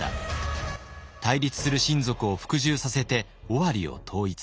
対立する親族を服従させて尾張を統一。